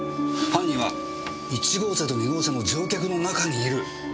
犯人は１号車と２号車の乗客の中にいる。